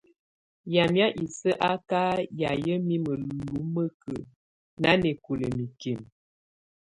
Yamɛ̀á isǝ́ á kà yayɛ̀á mimǝ́ lumǝ́kǝ́ nanɛkɔla mikimǝ.